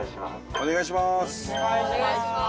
お願いします！